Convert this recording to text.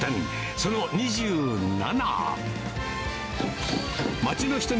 その２７。